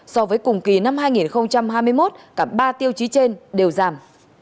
so với cùng kỳ năm hai nghìn hai mươi một cả ba tiêu chí trên đều giảm